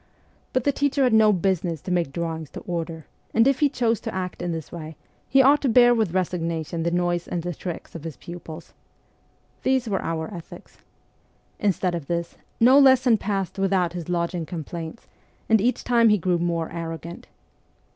But the teacher had no business to make drawings to order ; and if he chose to act in this way, he ought to bear with resignation the noise and the tricks of his pupils. These were our ethics. Instead of this, no lesson passed without his lodging complaints, and each time he grew more arrogant.